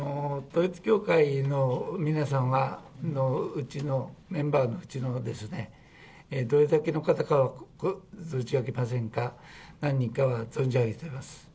統一教会の皆さんは、内の、メンバーの内のどれだけの方かは存じ上げませんが、何人かは存じ上げています。